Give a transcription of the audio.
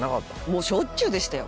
もうしょっちゅうでしたよ